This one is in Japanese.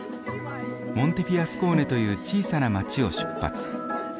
モンテフィアスコーネという小さな街を出発。